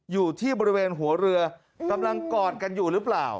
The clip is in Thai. อยู่ที่บริเวณหัวเรือกำลังกอดกันอยู่หรือเปล่า